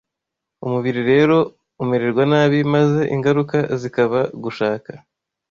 Umubiri rero umererwa nabi, maze ingaruka zikaba gushaka